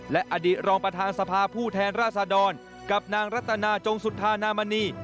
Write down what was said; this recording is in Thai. และอดีตรองประธานสภาผู้แทนราษดรกับนางรัตนาจงสุธานามณี